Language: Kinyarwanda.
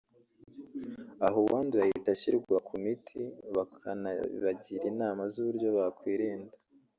aha uwanduye ahita ashyirwa ku miti bakanabagira inama z’uburyo bakwirinda